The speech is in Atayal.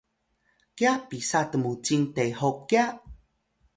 kya pisa tmucing tehuk kya?